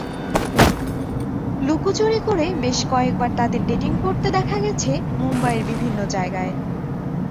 লুকোচুরি করে বেশ কয়েকবার তাঁদের ডেটিং করতে দেখা গেছে মুম্বাইয়ের বিভিন্ন জায়গায়।